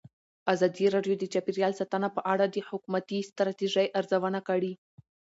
ازادي راډیو د چاپیریال ساتنه په اړه د حکومتي ستراتیژۍ ارزونه کړې.